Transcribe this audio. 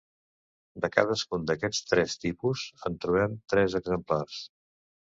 De cadascun d'aquests tres tipus en trobem tres exemplars.